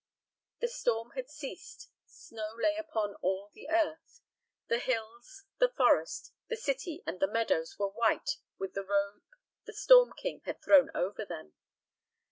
The storm had ceased. Snow lay upon all the earth. The hills, the forest, the city, and the meadows were white with the robe the storm king had thrown over them.